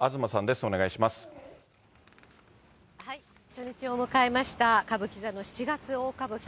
初日を迎えました歌舞伎座の七月大歌舞伎。